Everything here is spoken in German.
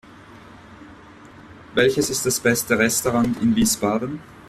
Welches ist das beste Restaurant in Wiesbaden?